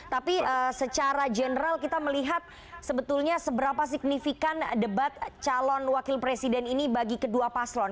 tapi secara general kita melihat sebetulnya seberapa signifikan debat calon wakil presiden ini bagi kedua paslon